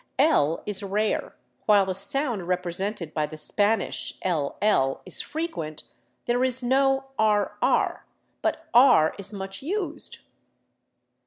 L Is rare, while the sound represented by the Spanish 11 is frequent ; there is no rr, but r is much used.